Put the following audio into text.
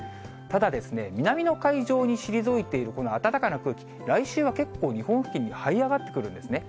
ただですね、南の海上に退いているこの暖かな空気、来週は結構、日本付近にはい上がってくるんですね。